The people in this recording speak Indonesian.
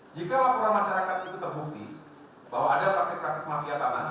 jika laporan masyarakat itu terbukti bahwa ada praktik praktik mafia tanah